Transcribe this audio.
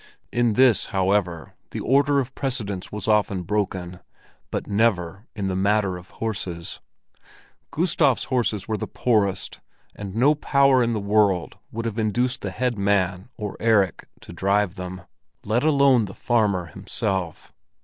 In this, however, the order of precedence was often broken, but never in the matter of the horses. Gustav's horses were the poorest, and no power in the world would have induced the head man or Erik to drive them, let alone the farmer himself.